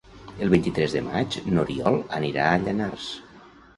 El vint-i-tres de maig n'Oriol anirà a Llanars.